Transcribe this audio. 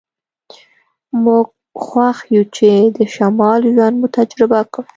موږ خوښ یو چې د شمال ژوند مو تجربه کړ